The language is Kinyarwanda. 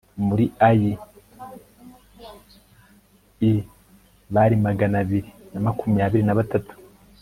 muri ayi l bari magana abiri na makumyabiri na batatu